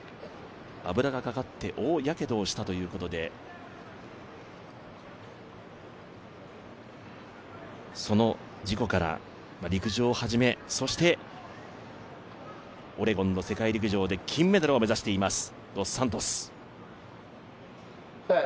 油がかかって大やけどをしたということで、その事故から陸上を始め、オレゴンの世界陸上で金メダルを目指しています。